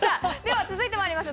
続いていきましょう。